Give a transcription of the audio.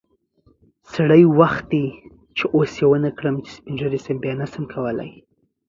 سری وخت دی چی اوس یی ونکړم چی سپین ږیری شم بیا نشم کولی